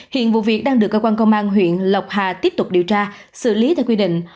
hiện vụ việc đang được cơ quan công an huyện lộc hà tiếp tục điều tra xử lý theo quy định